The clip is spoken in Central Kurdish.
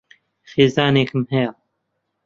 خێزانێکم ھەیە.